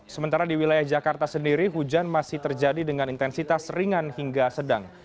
sementara di wilayah jakarta sendiri hujan masih terjadi dengan intensitas ringan hingga sedang